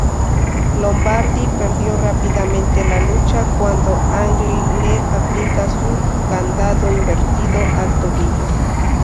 Lombardi perdió rápidamente la lucha cuando Angle le aplica su candado invertido al tobillo.